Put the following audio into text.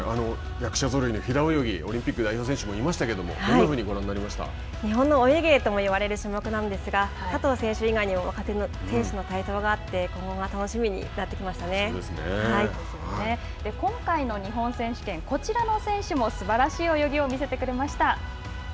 役者ぞろいの平泳ぎオリンピック代表選手もいましたけど日本のお家芸とも言われる種目なんですが佐藤選手以外にも若手の選手の台頭があって今回の日本選手権こちらの選手もすばらしい泳ぎを見せてくれました。